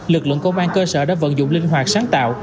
lực lượng công an cơ sở đã vận dụng linh hoạt sáng tạo